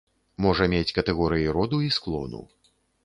Можа мець катэгорыі роду і склону.